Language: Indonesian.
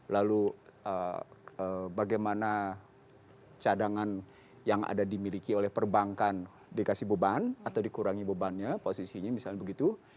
lalu bagaimana cadangan yang ada dimiliki oleh perbankan dikasih beban atau dikurangi bebannya posisinya misalnya begitu